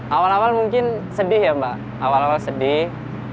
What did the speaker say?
awal awal mungkin sedih ya mbak awal awal sedih